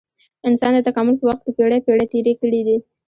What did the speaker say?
انسان د تکامل په وخت کې پېړۍ پېړۍ تېرې کړې دي.